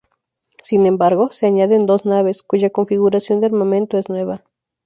Sin embargo, se añaden dos naves, cuya configuración de armamento es nueva.